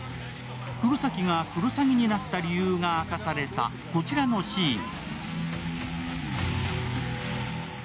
黒崎がクロサギになった理由が明かされたこちらのシーン。